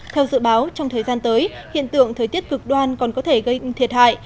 theo dự báo trong thời gian tới hiện tượng thời tiết cực đoan còn có thể gây thiệt hại